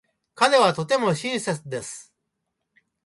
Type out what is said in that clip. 彼はとても親切です。